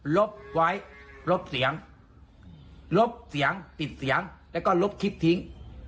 ลบเสียงปิดเสียงแล้วก็ลบคลิปทิ้ง